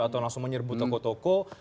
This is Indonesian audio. atau langsung menyerbu toko toko